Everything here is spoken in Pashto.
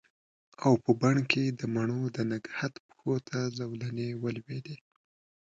او په بڼ کې د مڼو د نګهت پښو ته زولنې ولویدې